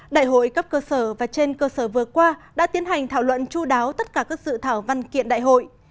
đại hội cấp cơ sở và trên cơ sở vừa qua đã tiến hành thảo luận chú đáo tất cả các dự thảo văn kiện đại hội